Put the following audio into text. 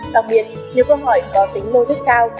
đặc biệt nhiều câu hỏi có tính mô chức cao